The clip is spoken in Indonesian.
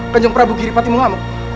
kanjeng prabu giripati mengamuk